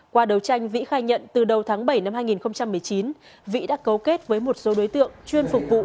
qua đấu tranh vĩ khai nhận từ đầu tháng bảy năm hai nghìn một mươi chín vĩ đã cấu kết với một số đối tượng chuyên phục vụ